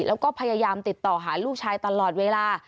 แล้วก็พยายามติดต่อหาลูกชายตลอดเวลา